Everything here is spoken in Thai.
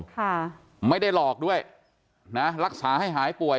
ค่ะไม่ได้หลอกด้วยนะรักษาให้หายป่วย